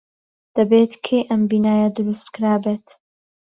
دەبێت کەی ئەم بینایە دروست کرابێت.